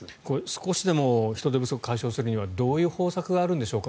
少しでも人手不足を解消するにはどういう方策があるんでしょうか。